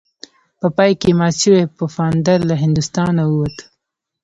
په پای کې مات شوی پفاندر له هندوستانه ووت.